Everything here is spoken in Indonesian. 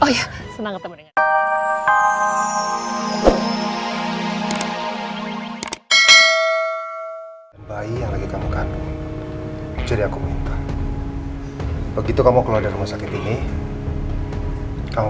oh iya senang ketemu dengan kamu